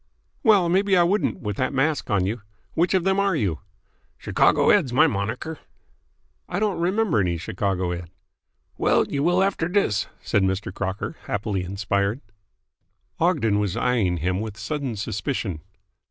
"Well, maybe I wouldn't, with that mask on you. Which of them are you?" "Chicago Ed.'s my monaker." "I don't remember any Chicago Ed." "Well, you will after dis!" said Mr. Crocker, happily inspired. Ogden was eyeing him with sudden suspicion.